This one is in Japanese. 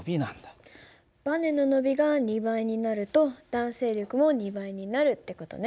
ばねの伸びが２倍になると弾性力も２倍になるって事ね。